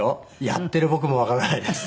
やってる僕もわからないです。